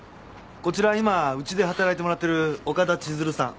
こちら今うちで働いてもらってる岡田千鶴さん